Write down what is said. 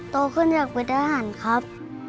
ตัวขึ้นอยากวิทยาลัยครับ